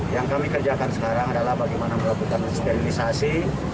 yang kami kerjakan sekarang adalah bagaimana melakukan sterilisasi